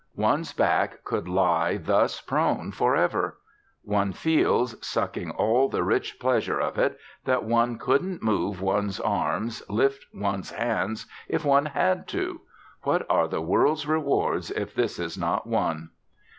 One's back could lie thus prone forever. One feels, sucking all the rich pleasure of it, that one couldn't move one's arms, lift one's hand, if one had to. What are the world's rewards if this is not one!